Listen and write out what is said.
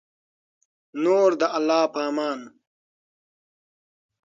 نور د الله په امان